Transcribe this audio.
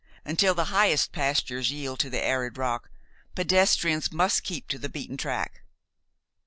Until the highest pastures yield to the arid rock, pedestrians must keep to the beaten track.